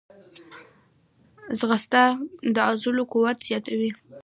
ځغاسته د عضلو قوت زیاتوي